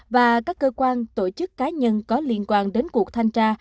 và các cơ quan tổ chức cá nhân có liên quan đến cuộc thanh tra